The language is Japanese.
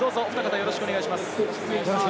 よろしくお願いします。